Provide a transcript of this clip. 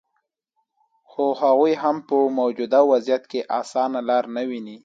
خو هغوي هم په موجوده وضعیت کې اسانه لار نه ویني